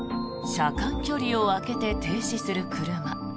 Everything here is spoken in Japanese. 車間距離を空けて停止する車。